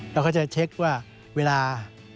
แล้วเขาจะเช็คว่าเวลา